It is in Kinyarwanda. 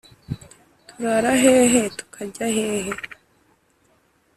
Turara hehe tukajya hehe?